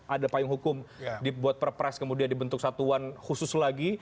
ada payung hukum dibuat perpres kemudian dibentuk satuan khusus lagi